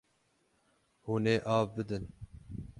Hûn ê av bidin.